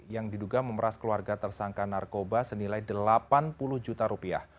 yang diduga memeras keluarga tersangka narkoba senilai delapan puluh juta rupiah